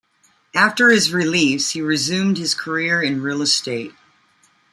After his release, he resumed his career in real estate.